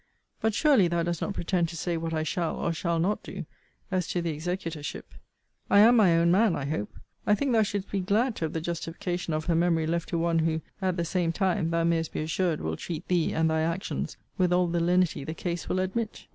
But surely thou dost not pretend to say what I shall, or shall not do, as to the executorship. I am my own man, I hope. I think thou shouldst be glad to have the justification of her memory left to one, who, at the same time, thou mayest be assured, will treat thee, and thy actions, with all the lenity the case will admit.